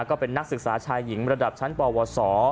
ก็เป็นนักศึกษาชายหญิงระดับชั้นปวส